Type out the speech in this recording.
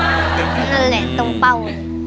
นั่นแหละตรงเป้า